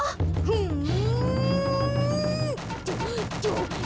ふん！